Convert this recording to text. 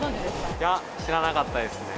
いや、知らなかったですね。